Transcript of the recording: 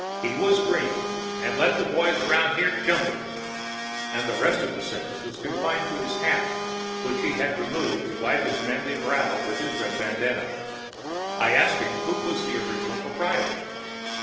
He was green, and let the boys about here jump him,‚ÄĚ‚ÄĒand the rest of his sentence was confided to his hat, which he had removed to wipe his manly brow with his red bandana. I asked him who was the original proprietor.